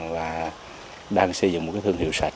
và đang xây dựng một cái thương hiệu sạch